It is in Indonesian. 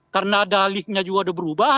karena ada linknya juga udah berubah